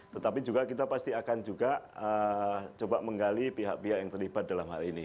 tetapi juga kita pasti akan juga coba menggali pihak pihak yang terlibat dalam hal ini